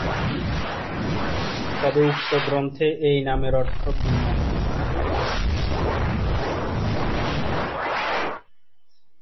তবে উক্ত গ্রন্থে এই নামের অর্থ ভিন্ন।